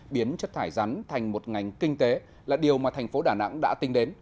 biến chất thải rắn thành một ngành kinh tế là điều mà thành phố đà nẵng đã tính đến